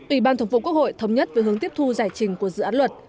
ủy ban thổng phủ quốc hội thống nhất với hướng tiếp thu giải trình của dự án luật